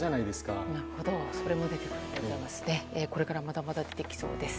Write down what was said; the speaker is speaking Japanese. これからまだまだ出てきそうです。